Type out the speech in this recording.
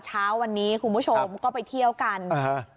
เช้าวันนี้คุณผู้ชมก็ไปเที่ยวกันอ่าฮะ